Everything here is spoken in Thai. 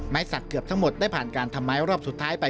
สักเกือบทั้งหมดได้ผ่านการทำไมรอบสุดท้ายไป